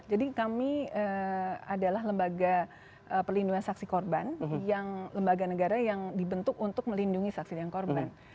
jadi kami adalah lembaga perlindungan saksi korban lembaga negara yang dibentuk untuk melindungi saksi korban